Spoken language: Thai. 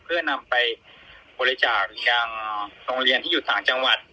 เพื่อนำไปบริจาคยังโรงเรียนที่อยู่ต่างจังหวัด